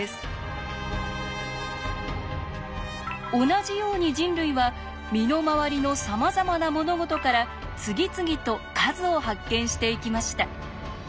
同じように人類は身の回りのさまざまな物事から次々と数を発見していきました。